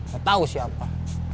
gak tau siapa